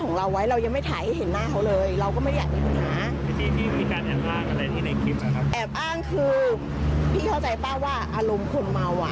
อ้างตำรวจยดใหญ่ว่ารู้จักอะไรอย่างนั้น